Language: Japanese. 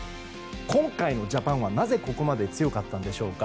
今回のジャパンはなぜここまで強かったんでしょうか。